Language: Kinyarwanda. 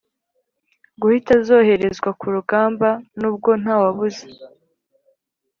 guhita zoherezwa ku rugamba. nubwo ntawabuze